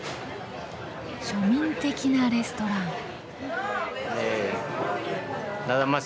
庶民的なレストラン。